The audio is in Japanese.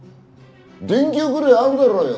電球ぐらいあるだろうよ。